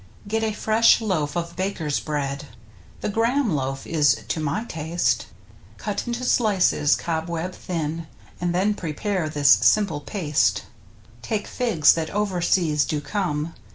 Get a fresh loaf of baker's bread (The Graham loaf is to my taste), Cut into slices cobweb thin. And then prepare this simple paste: Take figs that over seas do come.